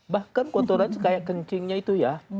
bahkan kotoran kayak kencingnya itu ya